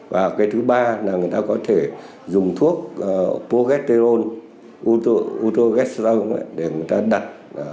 và cái thứ ba là người ta có thể dùng thuốc progesterone utrogesterone để người ta đặt